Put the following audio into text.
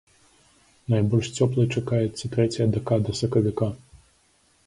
Найбольш цёплай чакаецца трэцяя дэкада сакавіка.